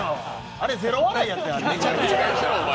あれゼロ笑いやったやろ。